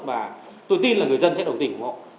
và tôi tin là người dân sẽ đồng tỉnh cùng họ